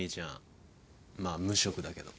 まあ無職だけど。